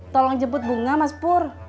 tolong jemput bunga mas pur